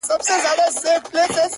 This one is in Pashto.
يو څه خو وايه کنه يار خبري ډيري ښې دي ـ